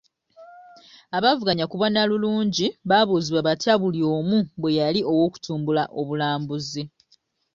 Abaavuganya ku bwannalulungi baabuuzibwa batya buli omu bwe yali ow'okutumbulamu obulambuzi.